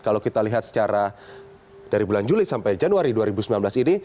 kalau kita lihat secara dari bulan juli sampai januari dua ribu sembilan belas ini